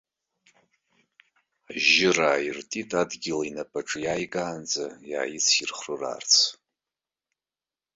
Ажьыра ааиртит, адгьыл инапаҿы иааигаанӡа иааицирхыраарц.